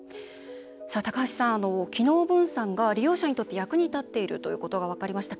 高橋さん、機能分散が利用者にとって役に立っているということが分かりました。